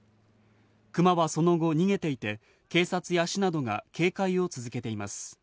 クマはその後逃げていて、警察や市などが警戒を続けています。